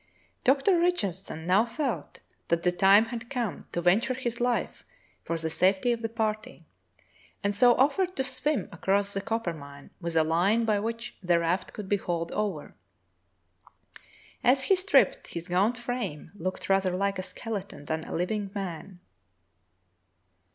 Dr. Richardson now felt that the time had come to venture his life for the safety of the party, and so offered to swim across the Coppermine with a line by which the raft could be hauled over. As he stripped his gaunt frame looked rather like a skeleton than a living man.